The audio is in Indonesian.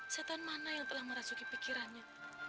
setan mana yang telah merasuki pikirannya